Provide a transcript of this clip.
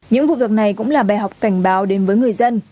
những vụ việc này cũng là bài học cảnh báo đến với người dân